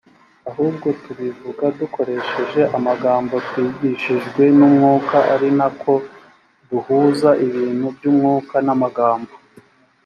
ahubwo tubivuga dukoresheje amagambo twigishijwe n umwuka ari na ko duhuza ibintu by umwuka n amagambo